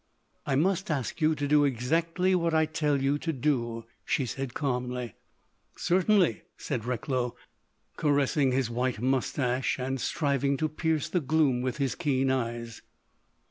"I must ask you to do exactly what I tell you to do," she said calmly. "Certainly," said Recklow, caressing his white moustache and striving to pierce the gloom with his keen eyes.